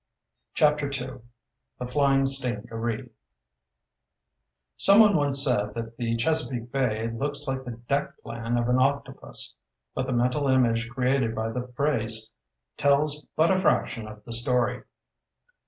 CHAPTER II The Flying Stingaree Someone once said that the Chesapeake Bay "looks like the deck plan of an octopus," but the mental image created by the phrase tells but a fraction of the story.